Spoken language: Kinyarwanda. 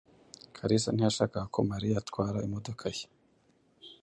Kalisa ntiyashakaga ko Mariya atwara imodoka ye.